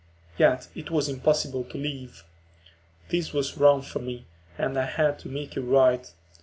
Yet it was impossible to leave. This was wrong for me, and I had to make it right.